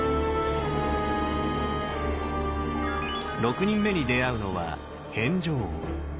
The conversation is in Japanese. ６人目に出会うのは変成王。